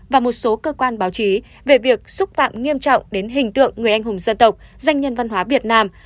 và một số cơ quan báo chí về việc xúc phạm nghiêm trọng đến hình tượng người anh hùng dân tộc danh nhân văn hóa việt nam